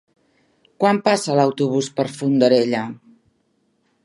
Quan passa l'autobús per Fondarella?